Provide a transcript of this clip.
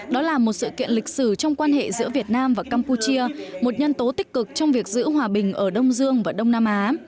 đó là một sự kiện lịch sử trong quan hệ giữa việt nam và campuchia một nhân tố tích cực trong việc giữ hòa bình ở đông dương và đông nam á